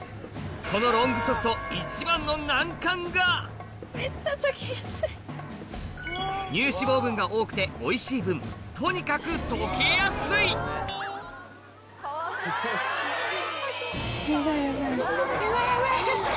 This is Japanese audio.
このロングソフト乳脂肪分が多くておいしい分とにかく溶けやすいヤバいヤバい。